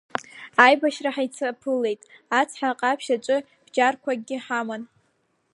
Аибашьра ҳаицаԥылеит ацҳа Ҟаԥшь аҿы, бџьарқәакгьы ҳаман.